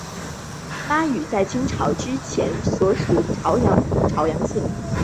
妈屿在清朝之前属潮州府潮阳县。